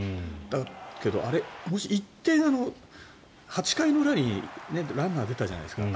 だけど、８回の裏にランナー出たじゃないですか。